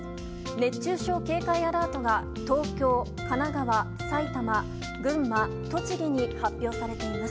熱中症警戒アラートが東京、神奈川、埼玉群馬、栃木に発表されています。